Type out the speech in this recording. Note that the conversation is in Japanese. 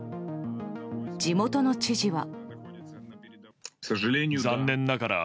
地元の知事は。